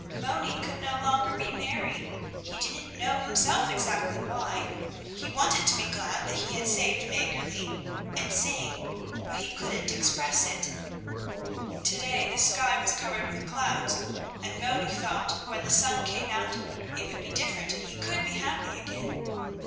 Moni could no longer be merry; he didn't know himself exactly why. He wanted to be glad that he had saved Mäggerli, and sing, but he couldn't express it. To day the sky was covered with clouds, and Moni thought when the sun came out it would be different and he could be happy again.